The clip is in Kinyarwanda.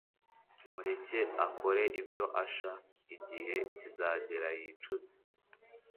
Mureke akore ibyo asha igihe kizagera yicuze